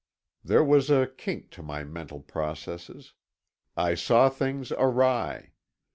There was a kink to my mental processes; I saw things awry.